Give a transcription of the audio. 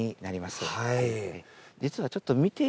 はい。